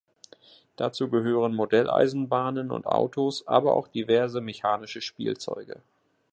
Dazu gehören Modelleisenbahnen und -autos, aber auch diverse mechanische Spielzeuge.